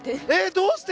どうして？